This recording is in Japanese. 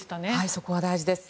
そこは大事です。